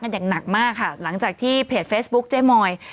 อย่างหนักมากค่ะหลังจากที่เพจเฟซบุ๊คเจ๊มอย